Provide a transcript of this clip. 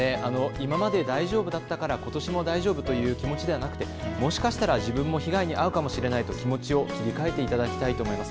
今まで大丈夫だったから今年も大丈夫だという気持ちではなくてもしかしたら自分も被害に遭うかもしれないと気持ちを切り替えていただきたいと思います。